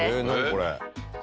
これ。